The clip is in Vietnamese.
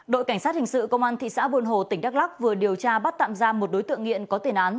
đội cảnh sát hình sự công an thị xã buôn hồ tỉnh đắk lắc vừa điều tra bắt tạm giam một đối tượng nghiện có tên án